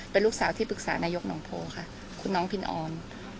เป็นลูกสาวที่ปรึกษานายกหนองโพค่ะคุณน้องพินออน